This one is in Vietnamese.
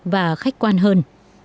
và khách quan hơn